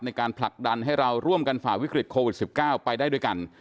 ในการผลักดันให้เราร่วมกันฝ่าวิกฤตโควิด๑๙ไปได้ด้วยกัน